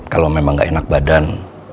kalau memang nggak enak badan